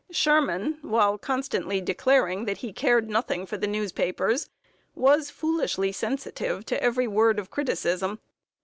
Sherman, while constantly declaring that he cared nothing for the newspapers, was foolishly sensitive to every word of criticism.